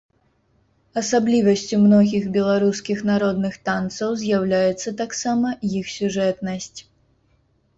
Асаблівасцю многіх беларускіх народных танцаў з'яўляецца таксама іх сюжэтнасць.